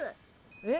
えっ。